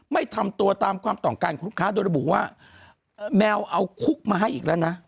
ไม่ทำตัวตามความต้องการของลูกค้าโดยระบุว่าแมวเอาคุกมาให้อีกแล้วนะ